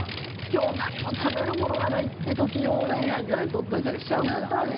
今日何も食べるものがないって時用になんか取っておいたりしちゃうんだよね。